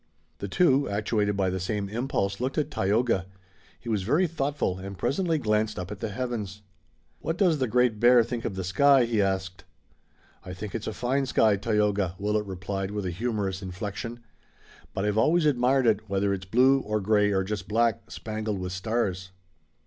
The two, actuated by the same impulse, looked at Tayoga. He was very thoughtful and presently glanced up at the heavens. "What does the Great Bear think of the sky?" he asked. "I think it's a fine sky, Tayoga," Willet replied with a humorous inflection. "But I've always admired it, whether it's blue or gray or just black, spangled with stars."